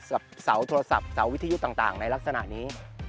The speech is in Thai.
กับเสาโทรศัพท์เสาวิทยุต่างในลักษณะนี้